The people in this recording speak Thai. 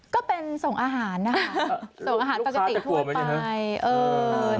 ก็เป็นส่งอาหารนะคะส่งอาหารปกติทั่วไปลูกค้าจะกลัวไหมเนี่ย